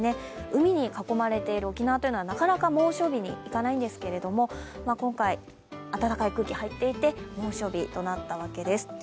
海に囲まれている沖縄というのはなかなか猛暑日にいかないんですが今回、暖かい空気が入っていって猛暑日となったわけです。